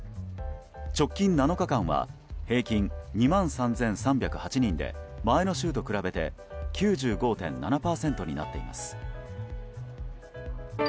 直近７日間は平均２万３３０８人で前の週と比べて９５．７％になっています。